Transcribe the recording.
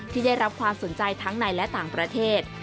ที่ได้รับความสนใจทั้งในและต่างประเทศ